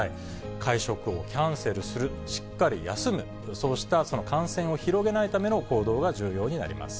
会食をキャンセルする、しっかり休む、そうした感染を広げないための行動が重要になります。